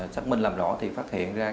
xác minh làm rõ thì phát hiện ra